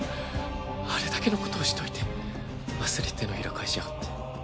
あれだけのことをしといてあっさり手のひら返しやがって。